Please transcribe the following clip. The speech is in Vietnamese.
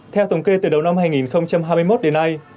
theo thống kê từ đầu năm hai nghìn hai mươi một đến nay